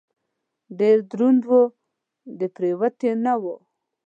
ډېر دروند و . د پورتې نه و.